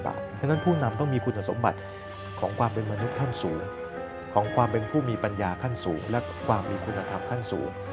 เพราะฉะนั้นผู้นำต้องมีคุณสมบัติของความเป็นมนุษย์ขั้นสูงของความเป็นผู้มีปัญญาขั้นสูงและความมีคุณธรรมขั้นสูง